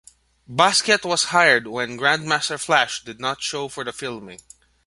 Basquiat was hired when Grandmaster Flash did not show for the filming.